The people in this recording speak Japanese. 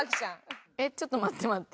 えっちょっと待って待って。